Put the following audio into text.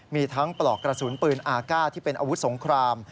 มีทั้งปลอกกระสุนปืนอาก้าที่เป็นอาวุธสงคราม